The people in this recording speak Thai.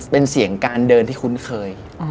เป็นเสียงการเดินที่คุ้นเคย